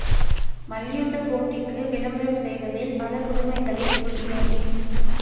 மல்யுத்தப் போட்டிக்கு விளம்பரம் செய்வதில் பல, புதுமைகளைப் புகுத்தினேன்.